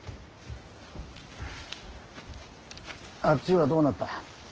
あっちはどうなった。